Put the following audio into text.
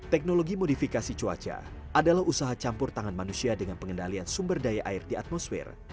teknologi modifikasi cuaca adalah usaha campur tangan manusia dengan pengendalian sumber daya air di atmosfer